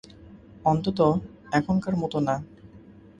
অন্তত এখনকার মতো না।